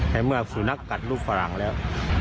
ในเมื่อสุนัขกัดลูกฝรั่งแล้ว